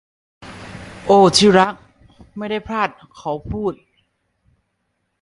โอ้ที่รักไม่ได้พลาดเขาพูด